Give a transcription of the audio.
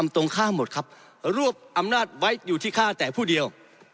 ตรงข้ามหมดครับรวบอำนาจไว้อยู่ที่ข้าแต่ผู้เดียว